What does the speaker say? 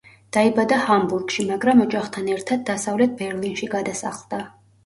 დაიბადა ჰამბურგში, მაგრამ ოჯახთან ერთად დასავლეთ ბერლინში გადასახლდა.